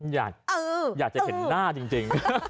อยากจะเห็นหน้าจริง